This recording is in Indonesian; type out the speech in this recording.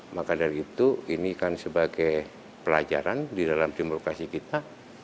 maka dari itu ini kan sebagai pelajaran di dalam demokrasi kita